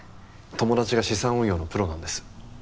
友達が資産運用のプロなんです。